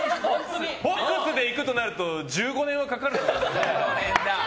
フォックスで行くとなると１５年はかかるよ。